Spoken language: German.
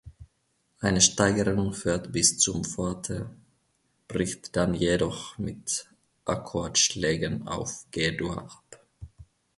Eine Steigerung führt bis zum Forte, bricht dann jedoch mit Akkordschlägen auf G-Dur ab.